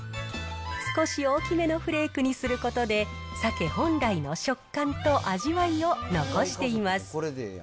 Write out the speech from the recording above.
少し大きめのフレークにすることで、鮭本来の食感と味わいを残しています。